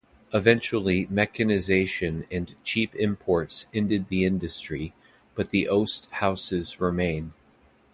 Eventually mechanisation and cheap imports ended the industry, but the oast houses remain.